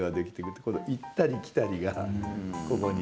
行ったり来たりがここに。